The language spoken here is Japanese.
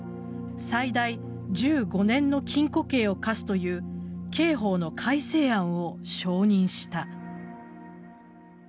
最大１５年の禁錮刑を科すという刑法の改正案を承認した。